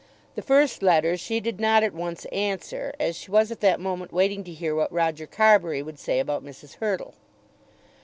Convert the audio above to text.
The first letter she did not at once answer, as she was at that moment waiting to hear what Roger Carbury would say about Mrs. Hurtle.